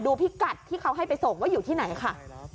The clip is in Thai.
พิกัดที่เขาให้ไปส่งว่าอยู่ที่ไหนค่ะ